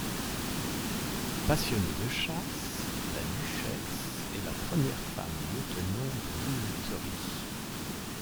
Passionnée de chasse, la duchesse est la première femme lieutenant de louveterie.